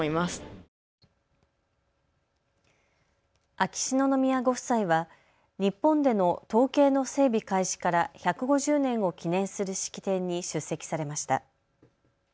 秋篠宮ご夫妻は日本での統計の整備開始から１５０年を記念する式典に出席されました。